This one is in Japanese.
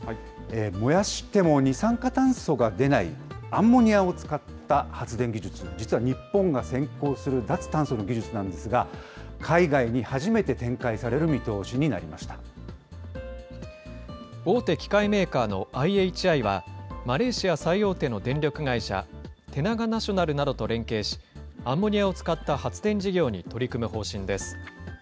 燃やしても二酸化炭素が出ないアンモニアを使った発電技術、実は日本が先行する脱炭素の技術なんですが、海外に初めて展開される大手機械メーカーのＩＨＩは、マレーシア最大手の電力会社、テナガ・ナショナルなどと連携し、アンモニアを使った発電事業に取り組む方針です。